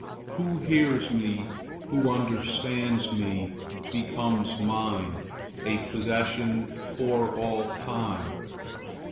Who hears me, who understands me, becomes mine,—a possession for all time.